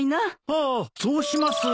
ああそうします。